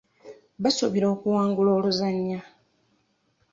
Baasuubira okuwangula oluzannya.